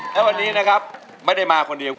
และวันนี้นะครับไม่ได้มาคนเดียว